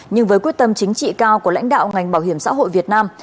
nhưng với quyết tâm chính trị cao của lãnh đạo ngành bảo hiểm xã hội việt nam